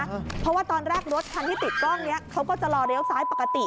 เพราะว่าตอนแรกรถคันที่ติดกล้องนี้เขาก็จะรอเลี้ยวซ้ายปกติ